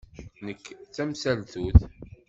Nekk d tamsaltut.